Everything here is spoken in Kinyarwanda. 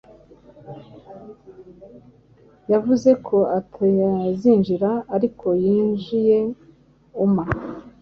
Yavuze ko atazinjira, ariko yinjiye uma.